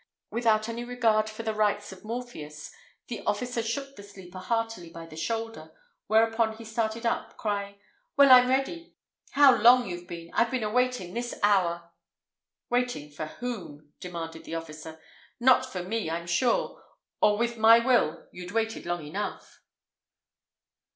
Without any regard for the rites of Morpheus, the officer shook the sleeper heartily by the shoulder, whereupon he started up, crying "Well, I'm ready; how long you've been! I've been a waiting this hour." "Waiting for whom?" demanded the officer; "not for me, I'm sure, or with my will you'd waited long enough."